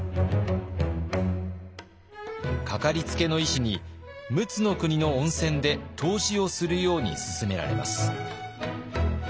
掛かりつけの医師に陸奥国の温泉で湯治をするようにすすめられます。